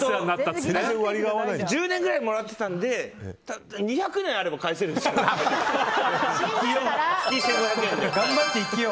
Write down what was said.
１０年ぐらいもらってたんで２００年あれば返せるんですよ。